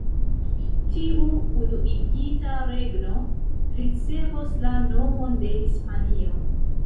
Tiu unuigita regno ricevos la nomon de Hispanio.